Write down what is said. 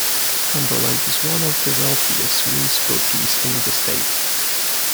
Cumberland is one of the wealthiest municipalities in the state.